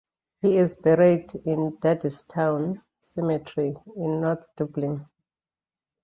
He is buried in Dardistown Cemetery in North Dublin.